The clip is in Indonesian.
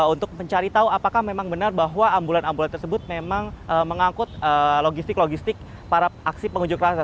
untuk mencari tahu apakah memang benar bahwa ambulan ambulans tersebut memang mengangkut logistik logistik para aksi pengunjuk rasa